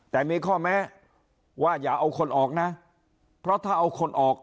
แต่มีข้อแม้ว่าอย่าเอาคนออกนะเพราะถ้าเอาคนออก